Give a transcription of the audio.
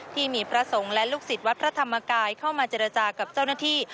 ที่มีพระสงฆ์และลูกศิษย์วัดพระธรรมกายเข้ามาเจรจากับเจ้าหน้าที่